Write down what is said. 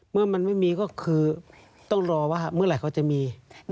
เมื่อมันไม่มีก็คือต้องรอว่าเมื่อไหร่เขาจะมี